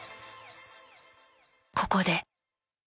ここで。